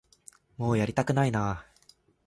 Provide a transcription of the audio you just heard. もうやりたくないな